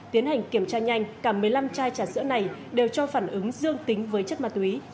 tiến hành kiểm tra nhanh cả một mươi năm chai trà sữa này đều cho phản ứng dương tính với chất ma túy